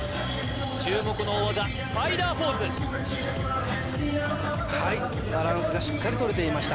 注目の大技スパイダーポーズはいバランスがしっかりとれていました